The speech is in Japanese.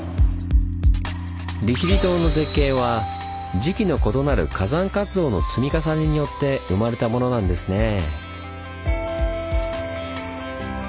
利尻島の絶景は時期の異なる火山活動の積み重ねによって生まれたものなんですねぇ。